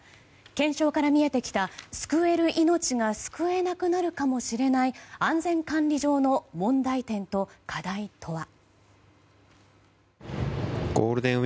検証から見えてきた救える命が救えなくなるかもしれない安全管理上の問題点と課題とは。